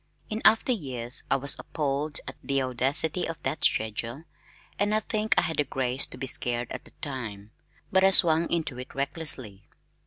In after years I was appalled at the audacity of that schedule, and I think I had the grace to be scared at the time, but I swung into it recklessly.